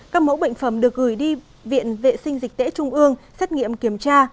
các mẫu bệnh phẩm được gửi đi viện vệ sinh dịch tễ trung ương xét nghiệm kiểm tra